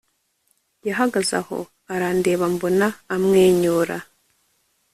yahagaze aho arandeba mbona amwenyura